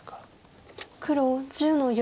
黒１０の四。